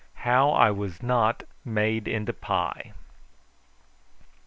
HOW I WAS NOT MADE INTO PIE.